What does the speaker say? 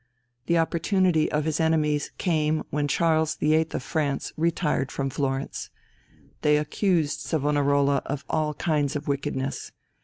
The opportunity of his enemies came when Charles VIII. of France retired from Florence. They accused Savonarola of all kinds of wickedness.